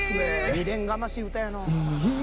未練がましい歌やの。